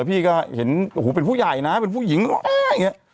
พี่ก็เห็นโอ้โหเป็นผู้ใหญ่นะเป็นผู้หญิงร้องไห้อย่างนี้